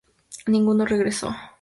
Ninguno regresó.